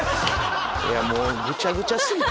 いやもうぐちゃぐちゃ過ぎて。